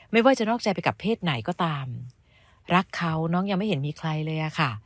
ไม่ว่าจะนอกใจไปกับเพศไหนก็ตามรักเขาน้องยังไม่เห็นมีใครเลยอะค่ะ